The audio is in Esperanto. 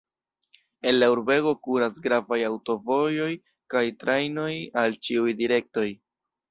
El la urbego kuras gravaj aŭtovojoj kaj trajnoj al ĉiuj direktoj.